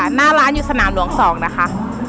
หน้าร้านอยู่สนามหลวง๒นะคะ